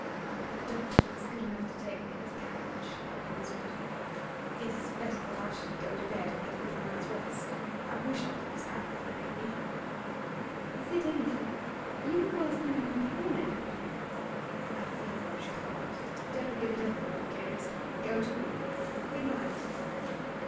'The doctor is good enough to take me in his carriage,' he whispered. 'It is better that I should go to bed, and get a good night's rest. I wish I could have sat with you, Amy.' 'Is it anything? You look worse than when you came, Edwin.' 'A feverish cold. Don't give it a thought, dearest. Go to Willie. Good night!